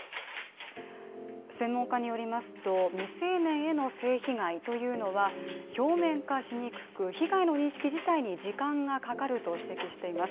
専門家によりますと未成年への性被害というのは表面化しにくく、被害の認識に時間がかかると指摘しています。